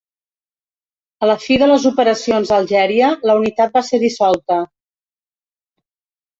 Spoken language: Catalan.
A la fi de les operacions a Algèria, la unitat va ser dissolta.